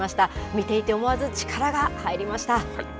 見ていて思わず力が入りました。